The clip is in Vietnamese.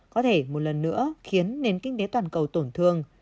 có thể một lần nữa khiến nền kinh tế toàn cầu tổn thương